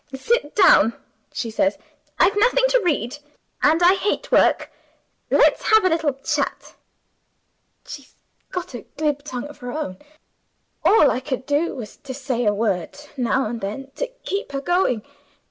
'Sit down,' she says; 'I've nothing to read, and I hate work; let's have a little chat.' She's got a glib tongue of her own. All I could do was to say a word now and then to keep her going.